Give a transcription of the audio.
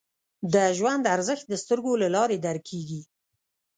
د ژوند ارزښت د سترګو له لارې درک کېږي